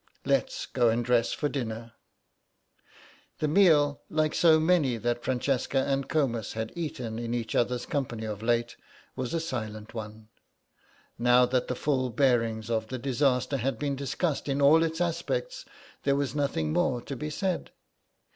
"Let's go and dress for dinner." The meal, like so many that Francesca and Comus had eaten in each other's company of late, was a silent one. Now that the full bearings of the disaster had been discussed in all its aspects there was nothing more to be said.